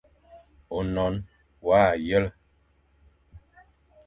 Ônon wa yel,,